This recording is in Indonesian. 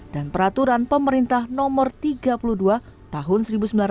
dan peraturan pemerintah nomor tiga puluh dua tahun seribu sembilan ratus sembilan puluh sembilan